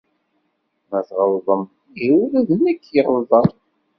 Ma tɣelḍem, ihi ula d nekk ɣelḍeɣ.